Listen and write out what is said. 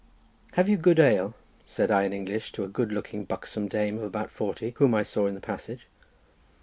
"Have you good ale?" said I in English to a good looking buxom dame, of about forty, whom I saw in the passage.